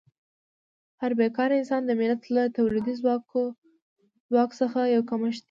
هر بېکاره انسان د ملت له تولیدي ځواک څخه یو کمښت دی.